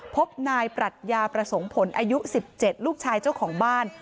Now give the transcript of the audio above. พบนายปรัชญาประสงค์ผลอายุ๑๗ลูกชายเจ้าของบ้าน